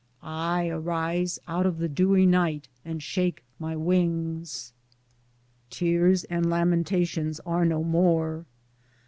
I arise out of the dewy night and shake my wings. Tears and lamentations are no more.